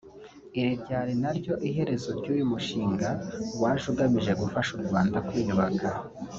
Iri ryari naryo herezo ry’uyu mushinga waje ugamije gufasha u Rwanda kwiyubaka